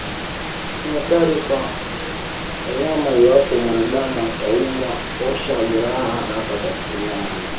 Ni hatari kwa wanyama Iwapo mwanadamu ataumwa osha jeraha haraka kwa kutumia maji